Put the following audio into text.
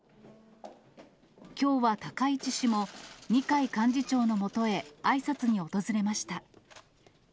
きょうは高市氏も、二階幹事長のもとへあいさつに訪れました。